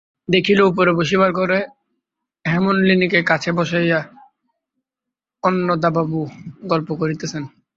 দেখিল, উপরের বসিবার ঘরে হেমনলিনীকে কাছে বসাইয়া অন্নদাবাবু গল্প করিতেছেন।